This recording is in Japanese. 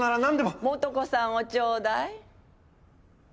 素子さんをちょうだい。